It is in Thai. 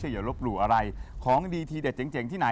หมดทุกข์หมดโศกทั้งปีนี้และก็ปีหน้า